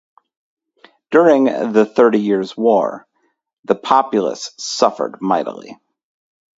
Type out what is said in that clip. During the Thirty Years' War, the populace suffered mightily.